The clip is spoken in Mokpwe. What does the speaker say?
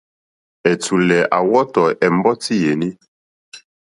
Ɛ̀tùlɛ̀ à wɔ́tɔ̀ ɛ̀mbɔ́tí yèní.